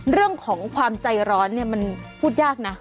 เรื่องของความใจร้อนเนี่ยมันพูดยากนะ